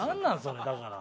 それだから。